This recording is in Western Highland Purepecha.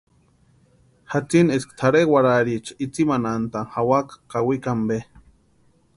Jatsini eska tʼarhe warhariecha intsïmantani jawaka kawikwa ampe.